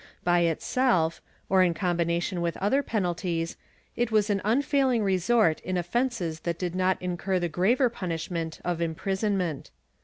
By itself, or in combination with other penalties, it was an unfailing resort in offences that did not incur the graver punishment of imprisonment.